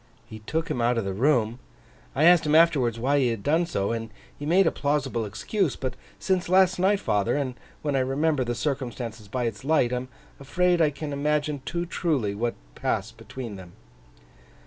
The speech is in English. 'He took him out of the room. I asked him afterwards, why he had done so, and he made a plausible excuse; but since last night, father, and when I remember the circumstances by its light, I am afraid I can imagine too truly what passed between them.